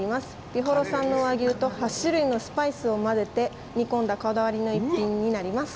美幌産の和牛と８種類のスパイスを混ぜて煮込んだこだわりの一品になります。